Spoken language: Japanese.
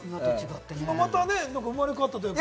また生まれ変わったとか？